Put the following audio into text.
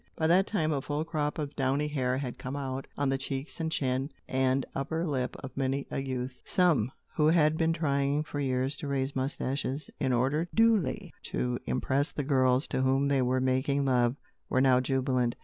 By that time, a full crop of downy hair had come out on the cheeks and chin and upper lip of many a youth. Some, who had been trying for years to raise moustaches, in order duly to impress the girls, to whom they were making love, were now jubilant.